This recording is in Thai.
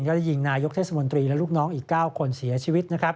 ได้ยิงนายกเทศมนตรีและลูกน้องอีก๙คนเสียชีวิตนะครับ